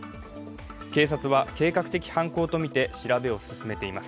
警察は計画的犯行とみて調べを進めています。